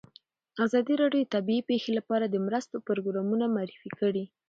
ازادي راډیو د طبیعي پېښې لپاره د مرستو پروګرامونه معرفي کړي.